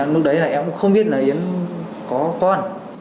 lúc đấy em cũng không biết yến có con